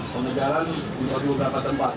pengejaran di beberapa tempat